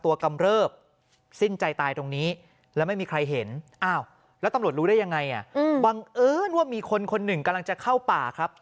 วังเอิ้นว่ามีคนคนหนึ่งกำลังจะเข้าป่าครับ